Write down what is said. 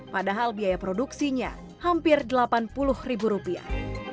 padahal biaya produksinya hampir delapan puluh ribu rupiah